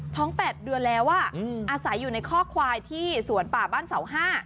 ๘เดือนแล้วอาศัยอยู่ในข้อควายที่สวนป่าบ้านเสา๕